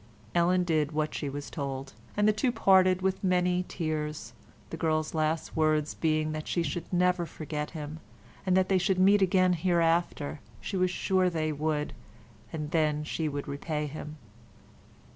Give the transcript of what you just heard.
Ellen did what she was told, and the two parted with many tears, the girl's last words being that she should never forget him, and that they should meet again hereafter, she was sure they should, and then she would repay him.